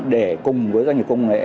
để cùng với doanh nghiệp công nghệ